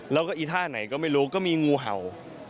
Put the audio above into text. แล้วก็อีท่าไหนก็ไม่รู้ก็มีงูเห่า